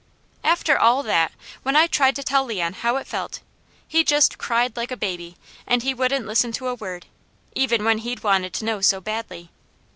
After all that, when I tried to tell Leon how it felt, he just cried like a baby, and he wouldn't listen to a word, even when he'd wanted to know so badly.